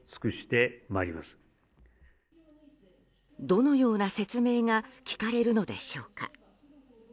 どのような説明が聞かれるのでしょうか。